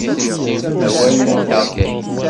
Awal-nteɣ.